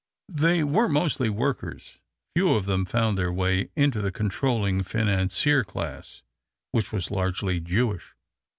They were mostly workers. Few of them found their way into the controlling financier class, which was largely Jewish.